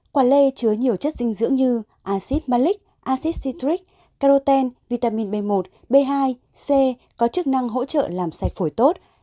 quả lê chứa nhiều chất dinh dưỡng như acid malic acid citric caroten vitamin b một b hai c có chức năng hỗ trợ làm sạch phổi tốt